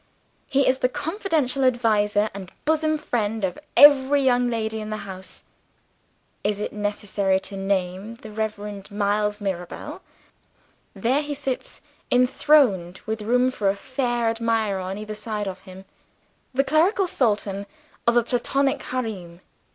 He is the confidential adviser and bosom friend of every young lady in the house. Is it necessary to name the Reverend Miles Mirabel? There he sits enthroned, with room for a fair admirer on either side of him the clerical sultan of a platonic harem.